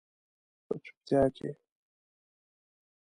په چوپتیا کې